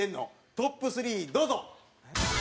トップ３、どうぞ！